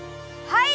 はい！